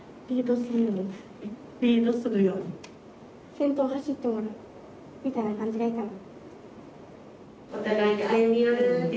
先頭走ってもらうみたいな感じがいいかな。